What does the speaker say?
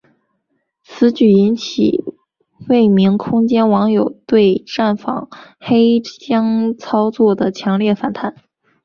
此举引起未名空间网友对站方黑箱操作的强烈反弹。